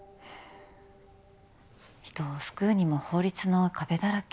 人を救うにも法律の壁だらけ。